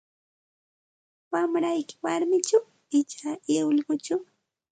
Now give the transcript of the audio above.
Wamrayki warmichu icha ullquchu?